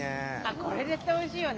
これ絶対おいしいよね！